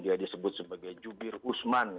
dia disebut sebagai jubir usman